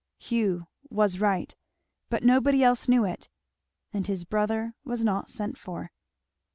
Hugh was right. But nobody else knew it, and his brother was not sent for.